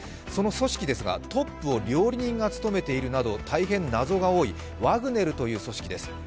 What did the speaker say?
その組織ですがトップを料理人が務めているなど大変謎が多いワグネルという組織です。